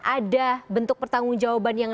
ada bentuk pertanggung jawaban yang